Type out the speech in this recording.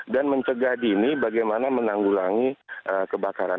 dan mencegah dini bagaimana menanggulangi kebakaran